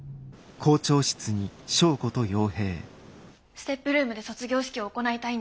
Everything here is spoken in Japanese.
ＳＴＥＰルームで卒業式を行いたいんです。